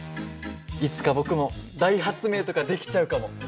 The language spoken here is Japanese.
いつか僕も大発明とかできちゃうかも。